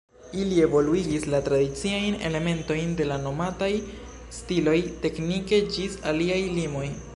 Ili evoluigis la tradiciajn elementojn de la nomataj stiloj teknike ĝis iliaj limoj.